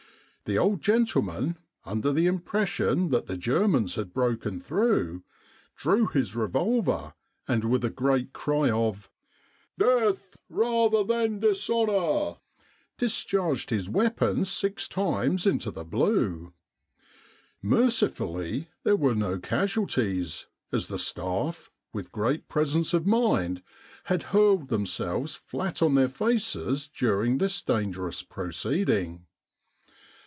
The old gentleman, under the im pression that the Germans had broken through, drew his revolver, and with a great EBENEEZER THE GOAT 141 cry of " Death rather than dishonour," discharged his weapon six times into the blue. Mercifully there were no casualties, as the staff, with great presence of mind, had hurled themselves flat on their faces during this dangerous proceeding.